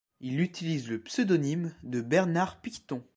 Il utilise le pseudonyme de Bernard Picton.